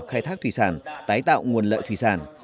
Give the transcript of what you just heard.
khai thác thủy sản tái tạo nguồn lợi thủy sản